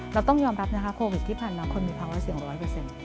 เราต้องยอมรับนะคะโควิดที่ผ่านมาคนมีภาวะเสี่ยงร้อยเปอร์เซ็นต์